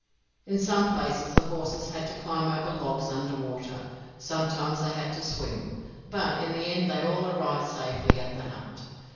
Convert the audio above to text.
In some places the horses had to climb over logs under water, sometimes they had to swim, but in the end they all arrived safely at the hut.